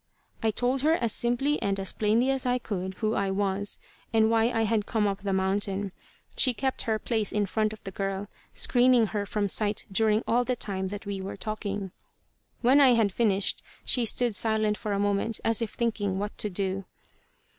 I told her as simply and as plainly as I could, who I was, and why I had come up the mountain. She kept her place in front of the girl, screening her from sight during all the time that we were talking. When I had finished she stood silent for a moment, as if thinking what to do.